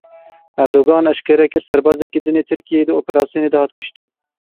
Erdogan eşkere kir; serbazekî din ê Tirkiyeyê di operasyonê de hat kuştin.